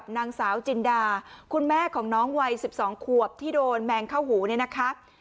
มันก็ตุ๊ก